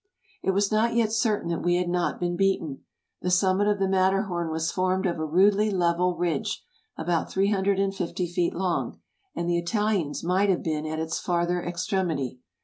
It was not yet certain that we had not been beaten. The summit of the Matterhorn was formed of a rudely level ridge, about three hundred and fifty feet long, and the Ital ians might have been at its farther extremity.